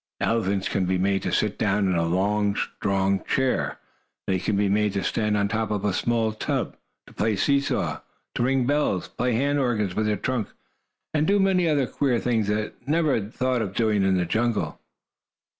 Elephants can be made to sit down in a low, strong chair, they can be made to stand on top of a small tub, to play see saw, to ring bells, play hand organs with their trunks, and do many other queer things they never thought of doing in the jungle.